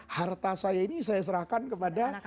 harta saya ini saya serahkan kepada